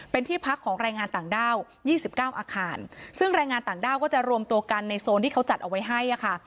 เป็นที่พักของแรงงานต่างด้าว๒๙อาคารซึ่งแรงงานต่างด้าวก็จะรวมตัวกันในโซนที่เขาจัดเอาไว้ให้ค่ะ